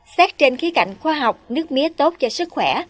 xét trên khí cảnh khoa học nước mía tốt cho sức khỏe